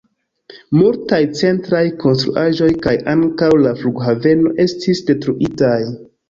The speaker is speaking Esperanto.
Multaj centraj konstruaĵoj kaj ankaŭ la flughaveno estis detruitaj.